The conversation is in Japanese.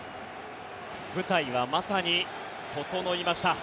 舞台はまさに整いました。